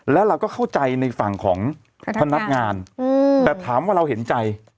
แล้วเราก็เข้าใจในฝั่งของพนักงานแต่ถามว่าเราเห็นใจ